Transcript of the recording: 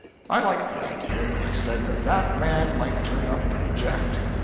I liked the idea, but I said that that man might turn up and object.